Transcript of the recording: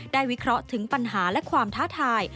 วิเคราะห์ถึงปัญหาและความท้าทาย